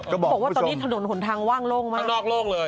ก็บอกว่าตรงนี้หลงหล่องมาก